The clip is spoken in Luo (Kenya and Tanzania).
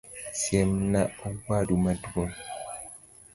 Siem na owadu maduong'